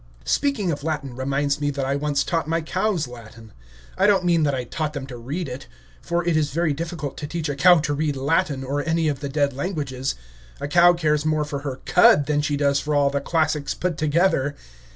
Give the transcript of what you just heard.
Speaking of Latin reminds me that I once taught my cows Latin. I don't mean that I taught them to read it, for it is very difficult to teach a cow to read Latin or any of the dead languages, a cow cares more for her cud than she does for all the classics put together.